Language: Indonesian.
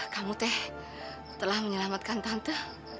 kamu teh telah menyelamatkan tante